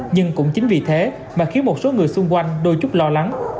nhưng cũng chính vì thế mà khiến một số người xung quanh đôi chút lo lắng